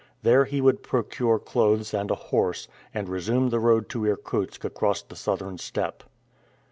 There he would procure clothes and a horse, and resume the road to Irkutsk across the southern steppe.